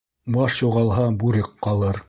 Баш юғалһа, бүрек ҡалыр.